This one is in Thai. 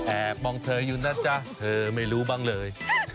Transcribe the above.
แอบมองเธออยู่นะจ๊ะเธอไม่รู้บ้างเลย